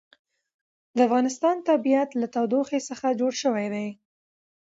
د افغانستان طبیعت له تودوخه څخه جوړ شوی دی.